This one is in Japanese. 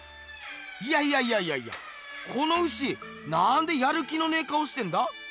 いやいやいやいやこの牛なんでやる気のねえ顔してんだ？